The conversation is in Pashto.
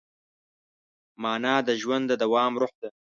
مانا د ژوند د دوام روح ده.